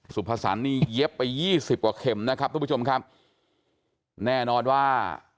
สุภาสันนี่เย็บไปยี่สิบกว่าเข็มนะครับทุกผู้ชมครับแน่นอนว่า